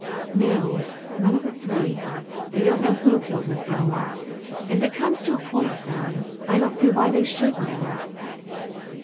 '*No, none of the three; they don't know who killed Miss Gilmar, and if it comes to a point, Simon, I don't see why they should know."